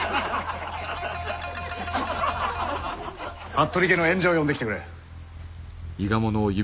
服部家の縁者を呼んできてくれ。